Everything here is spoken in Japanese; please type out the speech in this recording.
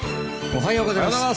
おはようございます。